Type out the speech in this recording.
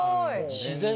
自然！